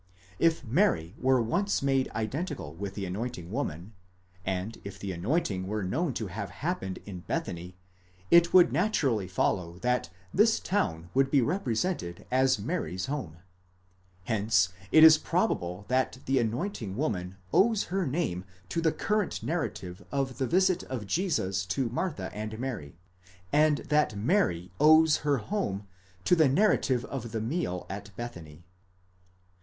If Mary were once made identical with the anointing woman, and if the anointing were known to have happened in Bethany, it would naturally follow that this town would be represented as Mary's home. Hence it is probable that the anointing woman owes her name to the current narrative of the visit of Jesus to Martha and Mary, and that Mary owes her home to the narrative of the meal at Bethany.